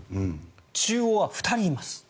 中央は２人います。